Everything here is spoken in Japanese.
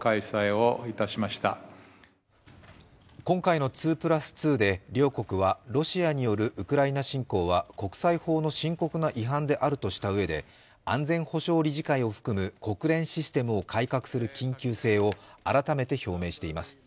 今回の２＋２で両国はロシアによるウクライナ侵攻は国際法の深刻な違反であるとしたうえで、安全保障理事会を含む国連システムを改革する緊急性を改めて表明しています。